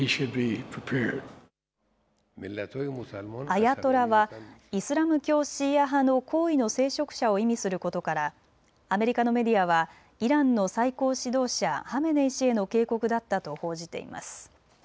アヤトラはイスラム教シーア派の高位の聖職者を意味することからアメリカのメディアはイランの最高指導者ハメネイ師への警告だったと報じています。